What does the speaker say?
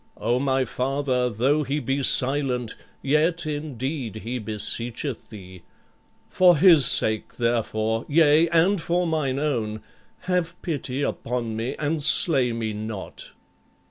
O my father, though he be silent, yet, indeed, he beseecheth thee. For his sake, therefore, yea, and for mine own, have pity upon me and slay me not."